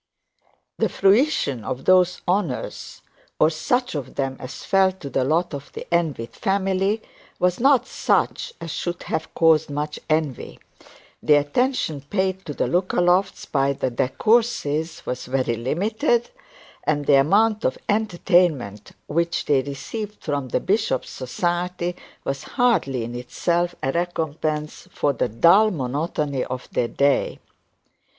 The fruition of these honours, or such of them as fell to the lot of the envied family, was not such as should have caused much envy. The attention paid to the Lookalofts by the De Courcys was very limited, and the amount of society was hardly in itself a recompense for the dull monotony of their day.